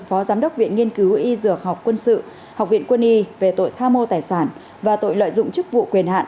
phó giám đốc viện nghiên cứu y dược học quân sự học viện quân y về tội tham mô tài sản và tội lợi dụng chức vụ quyền hạn